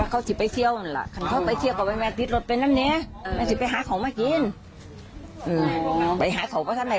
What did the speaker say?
เขาเอาเข้าไปไว้บัตรไปรอยเอ็ดเอาไปพูดแล้วแล้วพูดจะกลับมาบ่อย